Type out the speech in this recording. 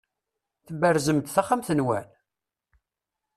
Tberzem-d taxxamt-nwen?